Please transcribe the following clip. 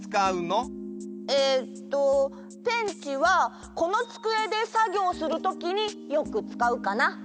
えっとペンチはこのつくえでさぎょうするときによくつかうかな。